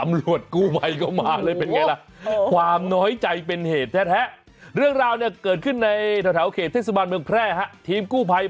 แม่ทำอะไรให้เบลือวายไปหมดเลยเนี่ย